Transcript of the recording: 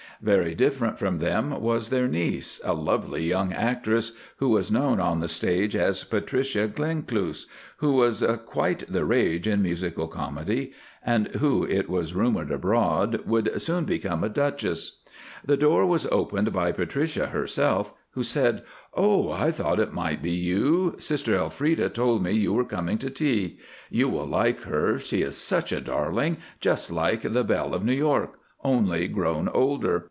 Very different from them was their niece, a lovely young actress, who was known on the stage as Patricia Glencluse, who was quite the rage in musical comedy, and who, it was rumoured abroad, would soon become a Duchess. The door was opened by Patricia herself, who said, "Oh, I thought it might be you. Sister Elfreda told me you were coming to tea. You will like her, she is such a darling—just like the "Belle of New York," only grown older.